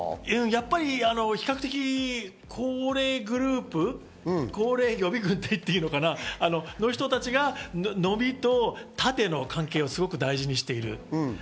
比較的、高齢グループ、高齢予備軍と言っていいのかな？の人たちが飲みと縦の関係を大事にしてる。